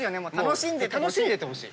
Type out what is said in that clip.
楽しんでてほしい。